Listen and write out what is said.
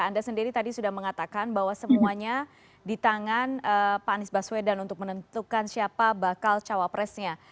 anda sendiri tadi sudah mengatakan bahwa semuanya di tangan pak anies baswedan untuk menentukan siapa bakal cawapresnya